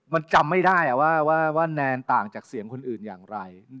มันจำไม่ได้ว่าแนนต่างจากเสียงคนอื่นอย่างไร